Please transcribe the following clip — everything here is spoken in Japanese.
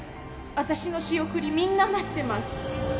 私の仕送りみんな待ってます